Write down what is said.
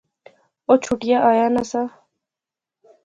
او چھٹیا آیا ناں سا